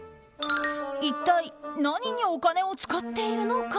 一体何にお金を使っているのか。